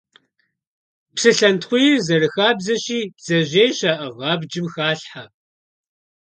Псылъэнтхъуийр, зэрыхабзэщи, бдзэжьей щаӀыгъ абджым халъхьэ.